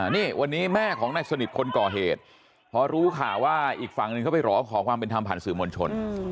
นี่วันนี้แม่ของนายสนิทคนก่อเหตุพอรู้ข่าวว่าอีกฝั่งหนึ่งเขาไปร้องขอความเป็นธรรมผ่านสื่อมวลชน